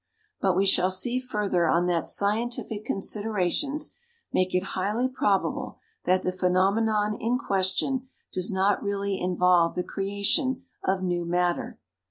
But we shall see further on that scientific considerations make it highly probable that the phenomenon in question does not really involve the creation of new matter.